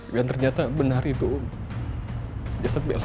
dan ternyata benar itu jasad bella